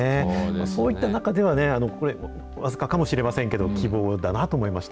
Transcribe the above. そういった中では、僅かかもしれませんけど、希望だなと思いました。